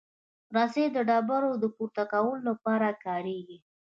رسۍ د ډبرې د پورته کولو لپاره کارېږي.